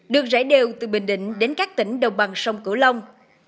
được rải đều từ bình định đến các tỉnh đầu bằng sông cửu long